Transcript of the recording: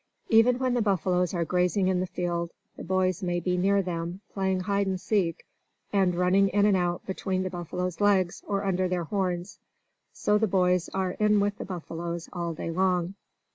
Even when the buffaloes are grazing in the field, the boys may be near them, playing hide and seek, and running in and out between the buffaloes' legs, or under their horns. So the boys are with the buffaloes all day long.